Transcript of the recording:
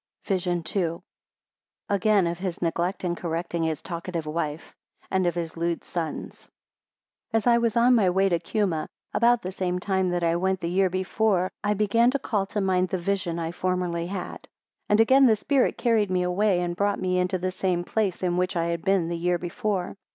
VISION II. Again, of his neglect in correcting his talkative wife; and of his lewd sons. AS I was on the way to Cuma, about the same time that I went the year before, I began to call to mind the vision I formerly had. And again the spirit carried me away, and brought me into the same place, in which I had been the year before.